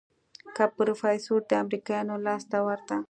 که پروفيسر د امريکايانو لاس ته ورته.